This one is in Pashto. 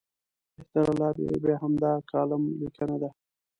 بهتره لاره یې بیا همدا کالم لیکنه ده.